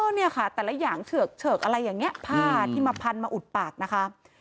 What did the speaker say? เนี่ยค่ะแต่ละอย่างเฉือกเฉิกอะไรอย่างนี้ผ้าที่มาพันมาอุดปากนะคะ